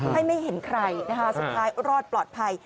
ไม่เห็นใครนะคะสุดท้ายรอดปลอดภัย